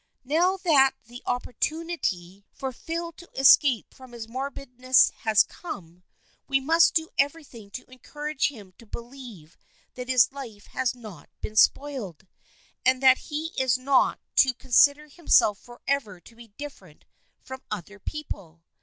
Now that the opportunity 298 THE FRIENDSHIP OF ANNE for Phil to escape from his morbidness has come, we must do everything to encourage him to believe that his life has not been spoiled, and that he is not to consider himself forever to be different from other people.